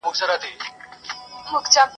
تللی دي له شپو یم افسانې را پسي مه ګوره !.